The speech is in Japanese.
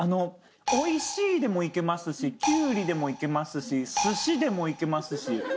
「おいしい」でもいけますし「キュウリ」でもいけますし「すし」でもいけますし。